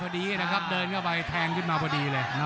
ดีนะครับเดินเข้าไปแทงขึ้นมาพอดีเลย